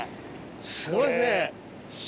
すごいですね。